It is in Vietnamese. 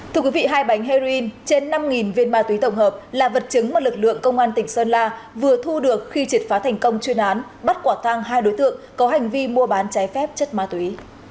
thưa quý vị hai bánh heroin trên năm viên ma túy tổng hợp là vật chứng mà lực lượng công an tỉnh sơn la vừa thu được khi triệt phá thành công chuyên án bắt quả thang hai đối tượng có hành vi mua bán trái phép chất ma túy